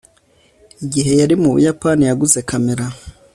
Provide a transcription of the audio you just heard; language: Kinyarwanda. igihe yari mu buyapani, yaguze kamera